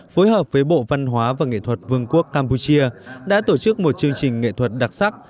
phối hợp với bộ văn hóa và nghệ thuật vương quốc campuchia đã tổ chức một chương trình nghệ thuật đặc sắc